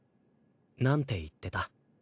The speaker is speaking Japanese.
なんて言ってた？